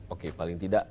oke paling tidak